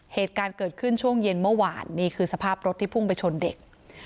เหตุการณ์เกิดขึ้นช่วงเย็นเมื่อวานนี่คือสภาพรถที่พุ่งไปชนเด็ก